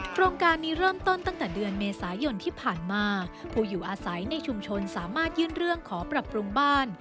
โครงการนี้เริ่มต้นตั้งแต่เดือนเมษายนที่ผ่านมาผู้อยู่อาศัยในชุมชนสามารถยื่นเรื่องขอปรับปรุงบ้าน